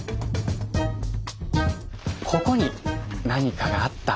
ここに何かがあった。